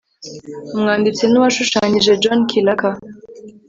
Umwandits n uwashushanyije John Kilaka